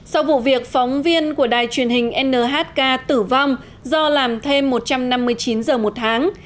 sau vụ việc phóng viên của đài truyền hình nhk tử vong do làm thêm một trăm năm mươi chín giờ một tháng